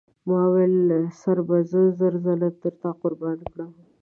ما وویل سر به زه زر ځله تر تا قربان کړم.